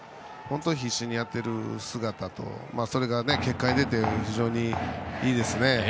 必死にやっている姿とそれが、結果に出ていて非常にいいですね。